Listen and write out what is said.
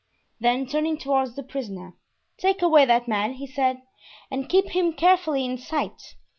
Then turning toward the prisoner, "Take away that man," he said, "and keep him carefully in sight.